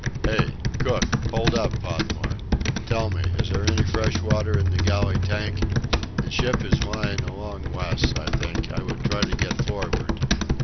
"Hey! Cook! Hold up, Podmore! Tell me is there any fresh water in the galley tank? The ship is lying along less, I think; I would try to get forward.